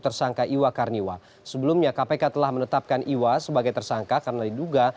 tersangka iwa karniwa sebelumnya kpk telah menetapkan iwa sebagai tersangka karena diduga